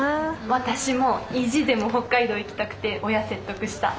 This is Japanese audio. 私も意地でも北海道行きたくて親説得した。